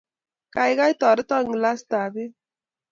Gaigai, toreton glasitab beek